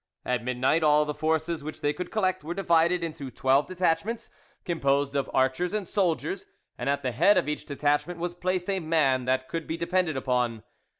At midnight all the forces which they could collect were divided into twelve detachments, composed of archers and soldiers, and at the head of each detachment was placed a man that could be depended upon.